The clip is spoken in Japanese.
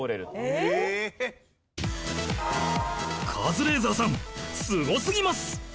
カズレーザーさんすごすぎます